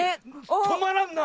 とまらんな！